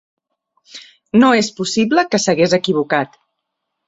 No és possible que s'hagués equivocat.